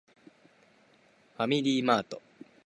ファミリーマート